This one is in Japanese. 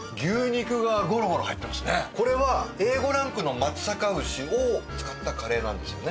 これはＡ５ランクの松阪牛を使ったカレーなんですよね？